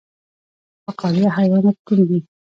فقاریه حیوانات کوم دي؟